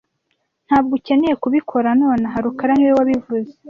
Ntabwo ukeneye kubikora nonaha rukara niwe wabivuze